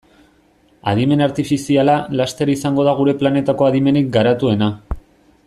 Adimen artifiziala laster izango da gure planetako adimenik garatuena.